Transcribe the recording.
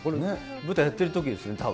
舞台やってるときですね、たぶん。